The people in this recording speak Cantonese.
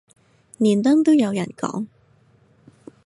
連登都有人講